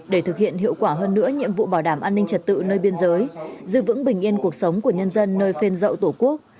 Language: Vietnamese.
để thực hiện hiệu quả hơn nữa nhiệm vụ bảo đảm an ninh trật tự nơi biên giới giữ vững bình yên cuộc sống của nhân dân nơi phên dậu tổ quốc